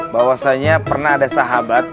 bahwasanya pernah ada sahabat